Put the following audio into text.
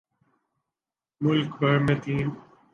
ملک بھر میں تین